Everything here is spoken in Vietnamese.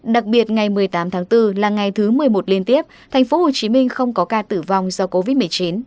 đặc biệt ngày một mươi tám tháng bốn là ngày thứ một mươi một liên tiếp tp hcm không có ca tử vong do covid một mươi chín